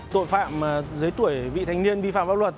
tội phạm dưới tuổi vị thanh niên vi phạm pháp luật